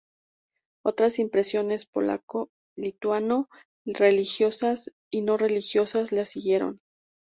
Otras impresiones polaco-lituano-religiosas y no religiosas le siguieron.